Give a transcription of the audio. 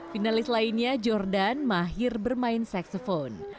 finalis lainnya jordan mahir bermain seksufon